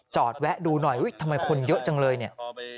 แวะดูหน่อยทำไมคนเยอะจังเลยเนี่ย